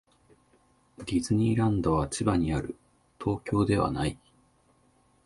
ディズニーランドは千葉にある。東京ではない。